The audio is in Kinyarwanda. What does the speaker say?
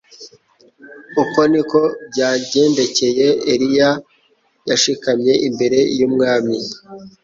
Uko ni ko byagendekcye Eliya. Yashikamye imber'e y'umwami;